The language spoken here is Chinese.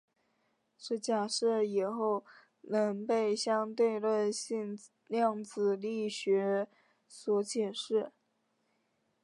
这假设以后能被相对论性量子力学所解释。